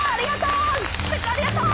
ありがとう！